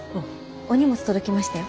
お荷物届きましたよ。